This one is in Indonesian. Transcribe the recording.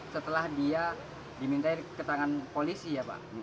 setelah dia diminta keterangan polisi ya pak